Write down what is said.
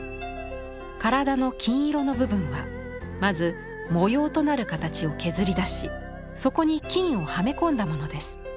体の金色の部分はまず模様となる形を削り出しそこに金をはめ込んだものです。